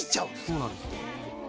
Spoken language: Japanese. そうなんですよ。